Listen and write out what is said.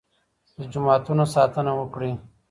د جوماتونو ساتنه وکړئ.